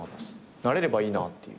なれればいいなっていう。